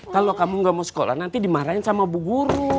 kalau kamu nggak mau sekolah nanti dimarahin sama bu guru